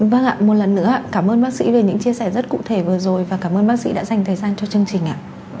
vâng ạ một lần nữa cảm ơn bác sĩ về những chia sẻ rất cụ thể vừa rồi và cảm ơn bác sĩ đã dành thời gian cho chương trình